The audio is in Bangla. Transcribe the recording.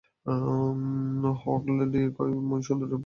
হগলডি কয় মুই সুন্দরি রূপের লাইগ্গা গর্ব হরি